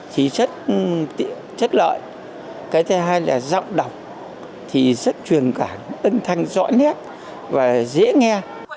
thì chất lợi cái thứ hai là giọng đọc thì rất truyền cảm ân thanh rõ nét và dễ nghe